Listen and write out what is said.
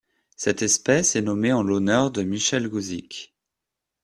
Cette espèce est nommée en l'honneur de Michelle Guzik.